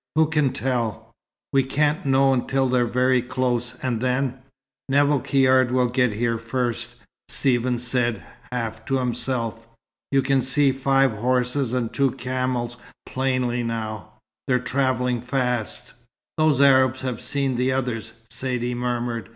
"Who can tell? We can't know till they're very close, and then " "Nevill Caird will get here first," Stephen said, half to himself. "You can see five horses and two camels plainly now. They're travelling fast." "Those Arabs have seen the others," Saidee murmured.